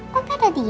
kok ada diem